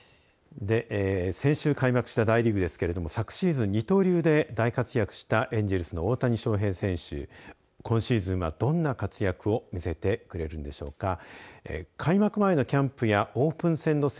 先週、開幕した大リーグですけれども昨シーズン二刀流で大活躍したエンジェルスの大谷翔平選手、今シーズンはどんな活躍を見せてくれるんでしょうか。